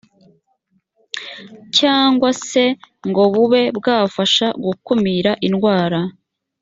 cyangwa se ngo bube bwafasha gukumira indwara